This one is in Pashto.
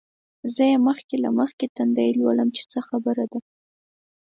زه یې مخکې له مخکې تندی لولم چې څه خبره ده.